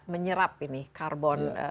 menyerap ini karbon